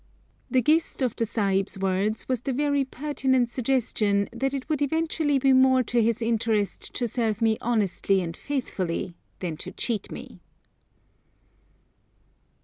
The gist of the Sahib's words was the very pertinent suggestion that it would eventually be more to his interest to serve me honestly and faithfully than to cheat me.